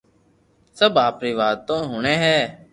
سب آپري واتو ھوڻي ھي